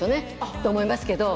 そう思いますけど。